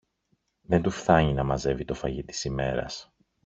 Δεν του φθάνει να μαζεύει το φαγί της ημέρας